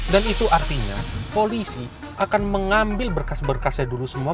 dan itu artinya polisi akan mengambil berkas berkasnya dulu semua